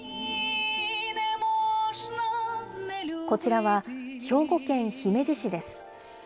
こちらは、兵庫県姫路市です。